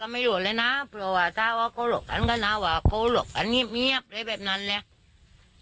ไม่รู้เลยนะเพราะว่าถ้าว่าโกรธกันก็น่าว่าโกรธกันเงียบเงียบเลยแบบนั้นเนี้ย